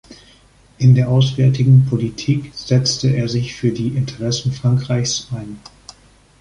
In der auswärtigen Politik setzte er sich für die Interessen Frankreichs ein.